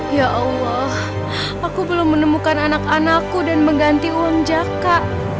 ya allah aku belum menemukan anak anakku dan mengganti uang jaka